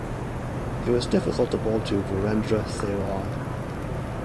It was difficult to bowl to Virendra Sehwag.